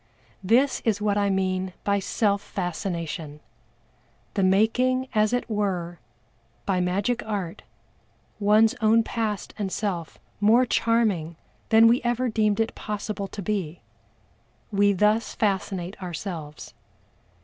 This is what I mean by self fascination the making, as it were, by magic art, one's own past and self more charming than we ever deemed it possible to be. We thus fascinate ourselves.